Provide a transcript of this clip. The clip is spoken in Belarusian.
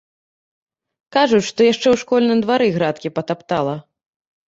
Кажуць, што яшчэ ў школьным двары градкі патаптала.